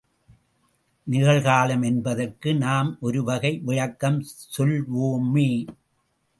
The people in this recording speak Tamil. நிகழ்காலம் என்பதற்கு நாம் ஒரு வகை விளக்கம் சொல்வோமே!